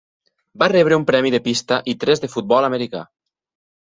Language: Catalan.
Va rebre un premi de pista i tres de futbol americà.